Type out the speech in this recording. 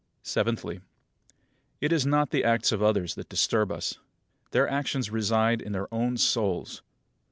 Seventhly: It is not the acts of others that disturb us. Their actions reside in their own souls.